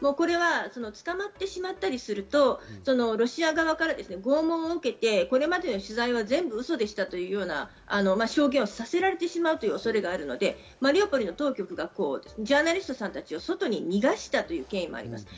捕まってしまったりするとロシア側から拷問を受けて、これまでの取材は全部、嘘でしたというような証言をさせられてしまうという恐れがあるので、マリウポリ当局がジャーナリストさんたちを外に逃がしたという経緯もあります。